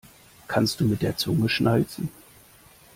Kannst du mit der Zunge schnalzen?